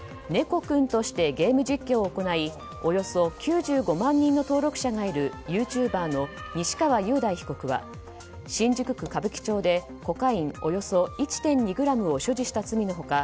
こくん！としてゲーム実況を行いおよそ９５万人の登録者がいるユーチューバーの西川雄大被告は新宿区歌舞伎町でコカインおよそ１．２ｇを所持した罪の他